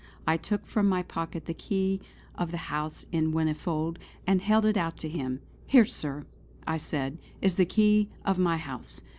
I took from my pocket the key of the house in Whinnyfold and held it out to him. "Here Sir" I said "is the key of my house.